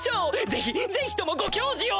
ぜひぜひともご教示を！